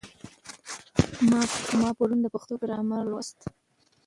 ما پرون د پښتو ګرامر کتاب لوست.